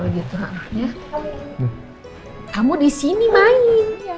kamu di sini main